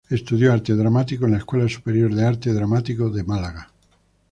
Estudió Arte Dramático en la Escuela Superior de Arte Dramático de Málaga.